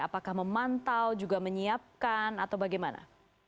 apakah memantau juga menyiapkan atau bagaimana